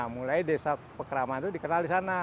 mulai desa pekraman itu dikenal di sana